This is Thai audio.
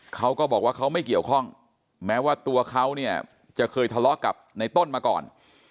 เขาก็บอกว่าเขาไม่เกี่ยวข้องแม้ว่าตัวเขาเนี่ยจะเคยทะเลาะกับในต้นมาก่อน